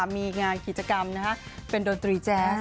มีงานกิจกรรมเป็นดนตรีแจ๊ส